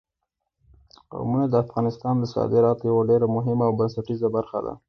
قومونه د افغانستان د صادراتو یوه ډېره مهمه او بنسټیزه برخه ده.